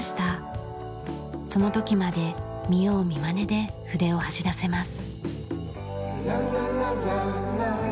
その時まで見よう見まねで筆を走らせます。